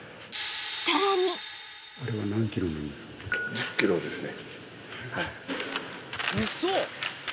１０ｋｇですね。